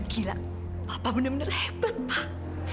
gila apa benar benar hebat pak